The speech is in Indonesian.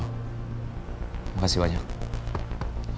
terima kasih banyak